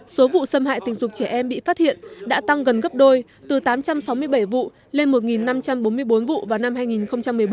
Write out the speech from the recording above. số vụ xâm hại tình dục trẻ em bị phát hiện đã tăng gần gấp đôi từ tám trăm sáu mươi bảy vụ lên một năm trăm bốn mươi bốn vụ vào năm hai nghìn một mươi bốn